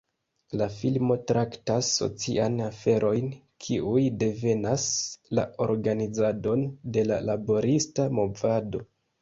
La filmo traktas socian aferojn kiuj devenas la organizadon de la laborista movado.